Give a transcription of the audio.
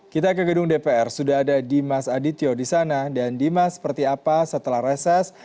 kita ke gedung dpr sudah ada dimas adityo di sana dan dimas seperti apa setelah reses